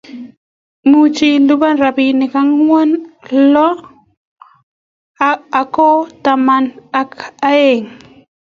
Muuch ilupan robinik angwan, loo ago taman ak aeng